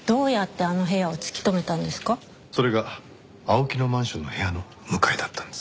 それが青木のマンションの部屋の向かいだったんです。